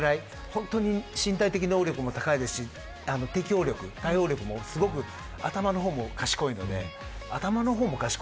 本当に身体的能力も高いですし適応力、対応力もすごく頭の方も賢いので。